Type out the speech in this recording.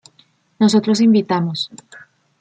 Nosotros invitamos